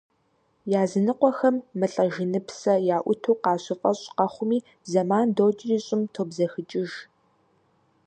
Языныкъуэхэм мылӀэжыныпсэ яӀуту къащыфӀэщӀ къэхъуми, зэман докӀри, щӀым тобзэхыкӀыж.